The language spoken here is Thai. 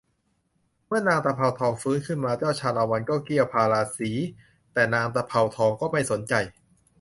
เมื่อนางตะเภาทองฟื้นขึ้นมาเจ้าชาละวันก็เกี้ยวพาราสี แต่นางตะเภาทองก็ไม่สนใจ